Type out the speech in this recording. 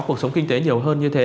cuộc sống kinh tế nhiều hơn như thế